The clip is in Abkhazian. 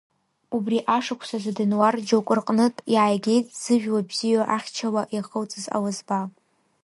Убри ашықәсазы Денуар џьоук рҟнытә иааигеит зыжәла бзиоу ахьча-ла иахылҵыз аласба.